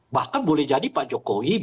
bahkan boleh jadi pak jokowi